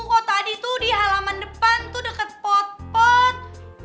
oh tadi tuh di halaman depan tuh dekat pot pot